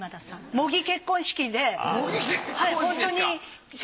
模擬結婚式ですか。